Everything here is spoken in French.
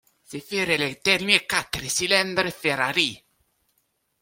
Ce furent les derniers quatre cylindres Ferrari.